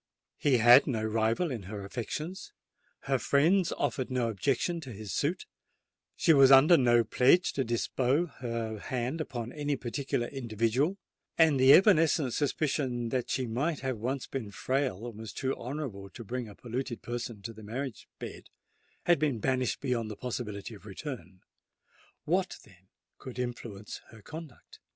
He had no rival in her affections—her friends offered no objection to his suit—she was under no pledge to bestow her hand upon any particular individual—and the evanescent suspicion that she might have once been frail and was too honourable to bring a polluted person to the marriage bed, had been banished beyond the possibility of return:—what, then, could influence her conduct?